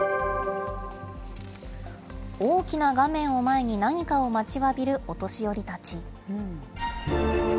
大きな画面を前に、何かを待ちわびるお年寄りたち。